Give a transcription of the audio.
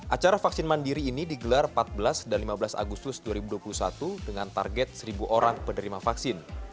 acara vaksin mandiri ini digelar empat belas dan lima belas agustus dua ribu dua puluh satu dengan target seribu orang penerima vaksin